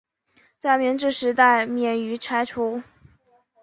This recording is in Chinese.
在明治时代免于拆除。